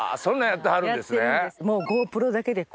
やってるんです。